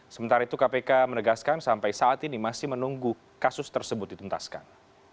sementara itu kpk menegaskan sampai saat ini masih menunggu kasus tersebut dituntaskan